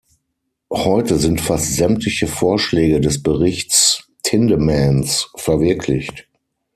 Heute sind fast sämtliche Vorschläge des Berichts Tindemans verwirklicht.